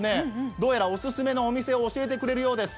どうやらオススメのお店を教えてくれるようです。